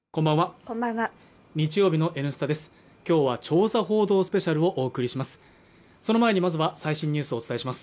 今日は調査報道スペシャルをお送りします。